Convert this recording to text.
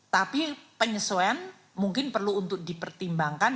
tapi penyesuaian mungkin perlu untuk dipertimbangkan